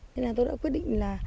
thế là tôi đã quyết định là